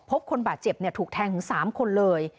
คนบาดเจ็บถูกแทงถึง๓คนเลย